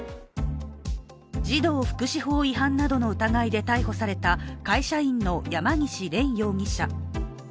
児童福祉法違反などの疑いで逮捕された会社員の山岸怜容疑者。